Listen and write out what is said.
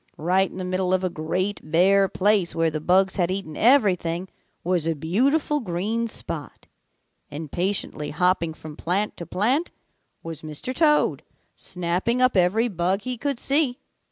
Right in the middle of a great bare place where the bugs had eaten everything was a beautiful green spot, and patiently hopping from plant to plant was Mr. Toad, snapping up every bug he could see.